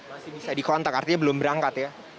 masih bisa dikontak artinya belum berangkat ya